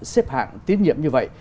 xếp hạng tiến nhiệm như vậy